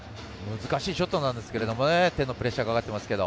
難しいショットなんですが手のプレッシャーがかかってますけど。